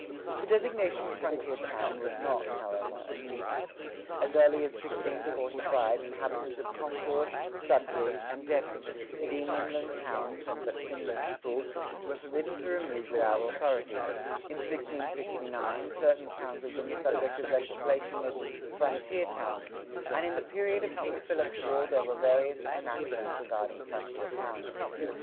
The designation "frontier town" was not, however, a new one. As early as 1645 inhabitants of Concord, Sudbury, and Dedham, "being inland townes & but thinly peopled," were forbidden to remove without authority;[40:1] in 1669, certain towns had been the subject of legislation as "frontier towns;"[40:2] and in the period of King Philip's War there were various enactments regarding frontier towns.